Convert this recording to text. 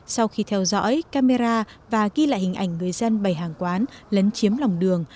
sau khi theo dõi camera và ghi lại hình ảnh người dân bảy hàng quán lấn chiếm lòng đường